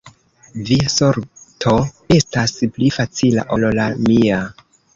Via sorto estas pli facila ol la mia.